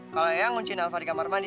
kalau ayang kuncin alva di kamar mandi